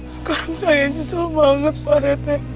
sekarang saya nyesel banget parete